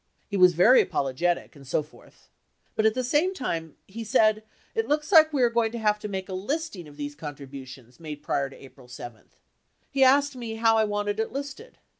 He was very apologetic and so forth. But at the same time, he said, it looks like we are going to have to make a listing of these contributions made prior to April 7. He asked me how I wanted it listed.